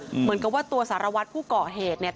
เหมือนกับว่าตัวสารวัตรผู้ก่อเหตุเนี่ย